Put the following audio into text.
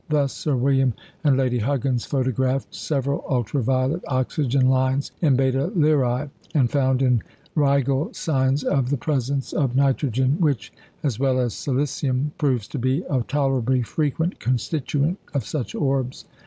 Thus, Sir William and Lady Huggins photographed several ultra violet oxygen lines in Beta Lyræ, and found in Rigel signs of the presence of nitrogen, which, as well as silicium, proves to be a tolerably frequent constituent of such orbs.